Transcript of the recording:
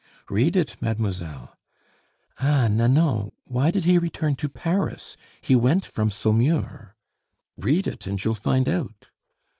"Read it, mademoiselle!" "Ah, Nanon, why did he return to Paris? He went from Saumur." "Read it, and you'll find out."